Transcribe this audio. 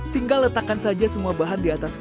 tinggal letakkan saja semua bahan di atas kuli